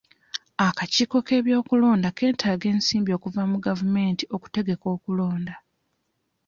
Akakiiko k'ebyokulonda ketaaga ensimbi okuva mu gavumenti okutegeka okulonda.